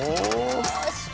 よし。